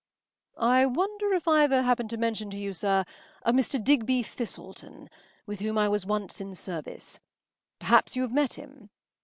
“I wonder if I have ever happened to mention to you, sir, a Mr. Digby Thistleton, with whom I was once in service? Perhaps you have met him?